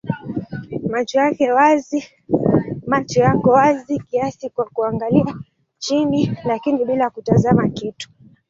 Macho yako wazi kiasi kwa kuangalia chini lakini bila kutazama kitu.